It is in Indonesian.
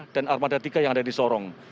dan armada tiga yang ada di sorong